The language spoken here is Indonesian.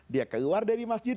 dia keluar dari masjid